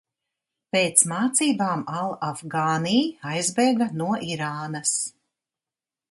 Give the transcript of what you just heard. Pēc mācībām al Afgānī aizbēga no Irānas.